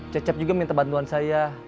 cet cet juga minta bantuan saya